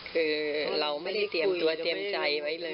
คือเราไม่ได้เตรียมตัวเตรียมใจไว้เลย